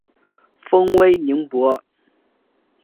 封威宁伯。